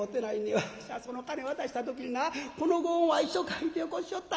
わしはその金渡した時になこのご恩は一生書いてよこしおった」。